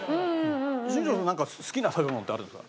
新庄さんなんか好きな食べ物ってあるんですか？